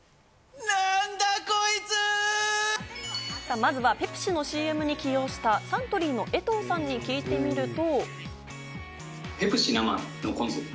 まずはペプシのＣＭに起用したサントリーの江藤さんに聞いてみると。